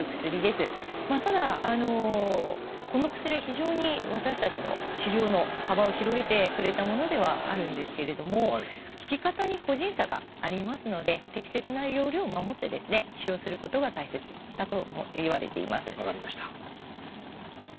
ただこの薬は非常に私たちの治療の幅を広げてくれたものではあるんですけれども効き方に個人差がありますので適切な用量を守って使用することが大切だといわれています。